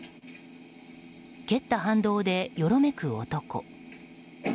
蹴った反動でよろめく男。